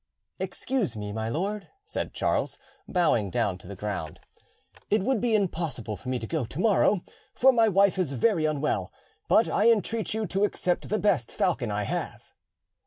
"Excuse me, my lord," said Charles, bowing down to the ground; "it will be impossible for me to go to morrow, for my wife is very unwell; but I entreat you to accept the best falcon I have."